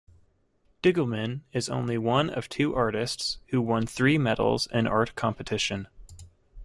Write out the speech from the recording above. Diggelmann is only one of two artists who won three medals in art competition.